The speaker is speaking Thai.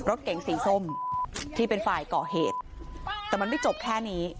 รถเก๋งสีส้มที่เป็นฝ่ายก่อเหตุแต่มันไม่จบแค่นี้